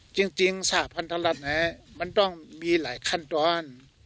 จริงสาพันธรรมนั้นมันต้องมีหลายขั้นตอน